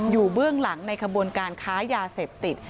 เบื้องหลังในขบวนการค้ายาเสพติด